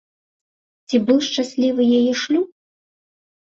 Ці быў шчаслівы яе шлюб?